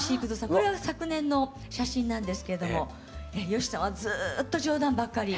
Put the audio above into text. これは昨年の写真なんですけれども吉さんはずっと冗談ばっかり。